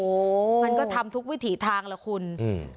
โอ้โหมันก็ทำทุกวิถีทางล่ะคุณอืม